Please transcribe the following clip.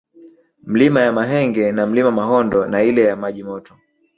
Milima ya Mahenge na Mlima Mahondo na ile ya Maji Moto